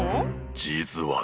実はね。